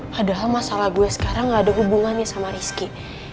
padahal masalah gue sekarang gak ada hubungannya sama rizky